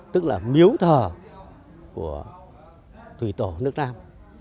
tức là miếu thờ của thủy tổ nước nam